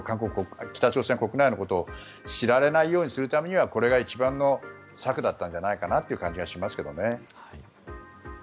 北朝鮮国内のことを知られないようにするためにはこれが一番の策だったんじゃないかなという気がしますけどね。